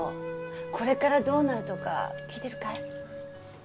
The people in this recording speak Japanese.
これからどうなるとか聞いてるかい？